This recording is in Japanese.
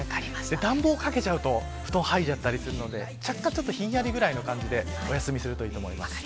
暖房をかけると布団をはいじゃったりするのでちょっとひんやりぐらいの感じでお休みになるといいと思います。